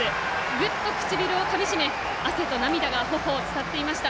ぐっと唇をかみ締め汗と涙がほおを伝っていました。